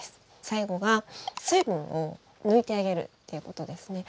最後が水分を抜いてあげるっていうことですね。